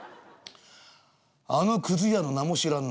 あのくず屋の名も知らんな。